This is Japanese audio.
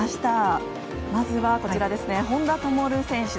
まずは本多灯選手。